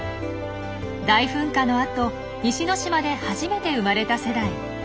大噴火のあと西之島で初めて生まれた世代。